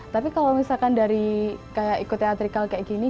tapi kalau misalkan dari ikut teater kayak gini